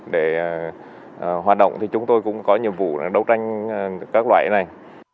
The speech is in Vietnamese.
để hoạt động thì chúng tôi cũng có nhiệm vụ đấu tranh các loại này